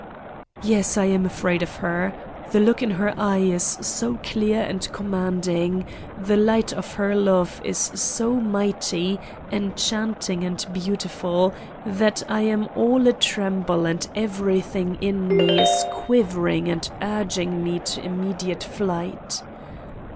Yes, I am afraid of her. The look in her eye is so clear and commanding, the light of her love is so mighty, enchanting and beautiful that I am all atremble and everything in me is quivering and urging me to immediate flight.